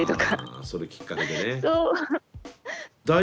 あそれきっかけでね。